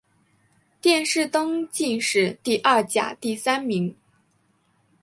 殿试登进士第二甲第三名。